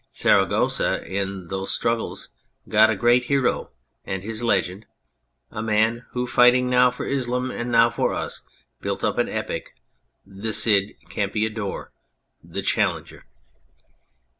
Saragossa in those struggles got a great hei*o and his legend, a man who fighting now for Islam and now for us built up an epic, the Cid Campeador, the " Challenger."